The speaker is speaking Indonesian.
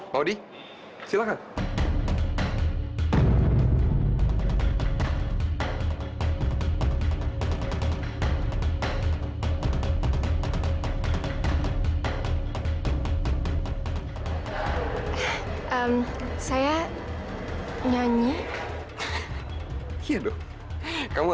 mau di silahkan